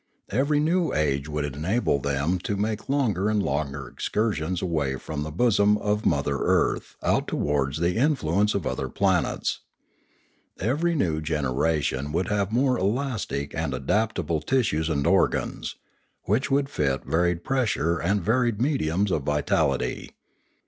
Every new age would enable them to make longer and longer excursions away from the bosom of mother earth out towards the influence of other planets. Every new generation would have more elastic and adaptable tissues and organs, which would fit varied pressure and varied mediums of vitality.